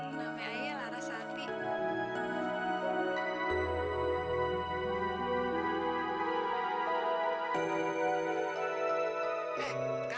ulang tahun adalah hal ter elected